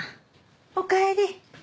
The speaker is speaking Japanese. おかえり！